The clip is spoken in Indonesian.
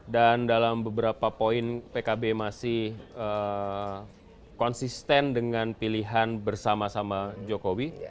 dan dalam beberapa poin pkb masih konsisten dengan pilihan bersama sama jokowi